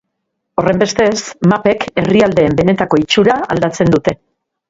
Horrenbestez, mapek herrialdeen benetako itxura aldatzen dute.